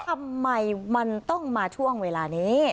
ทำไมมันต้องมาช่วงเวลานี้